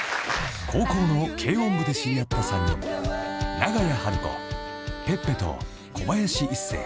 ［高校の軽音部で知り合った３人長屋晴子ｐｅｐｐｅと小林壱誓。